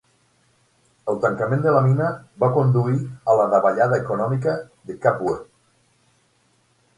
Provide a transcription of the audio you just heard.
El tancament de la mina va conduir a la davallada econòmica de Kabwe.